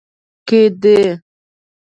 کې دی